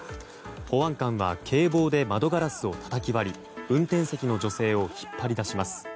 保安官は警棒で窓ガラスをたたき割り運転席の女性を引っ張り出します。